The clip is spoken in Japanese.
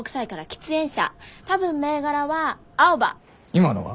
今のは？